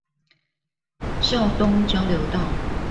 孝東交流道